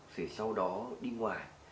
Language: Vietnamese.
thì sau đó đi ngoài